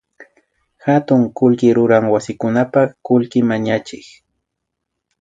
Hatun kullki ruran wasikunapak kullki mañachik